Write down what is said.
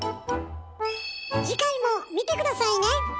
次回も見て下さいね！